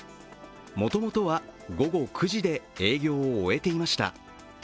もともとは午後９時で営業を終えていました。